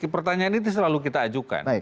pertanyaan itu selalu kita ajukan